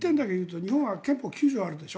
日本は憲法９条があるでしょ